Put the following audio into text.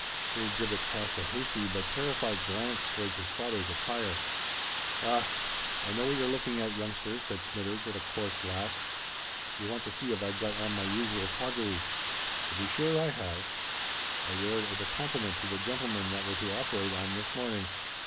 Here Gibbet cast a hasty but terrified glance towards his father's attire. "Ah! I know what you're looking at, youngster," said Smithers, with a coarse laugh; "you want to see if I've got on my usual toggery? To be sure I have. I wear it as a compliment to the gentleman that we're to operate on this morning.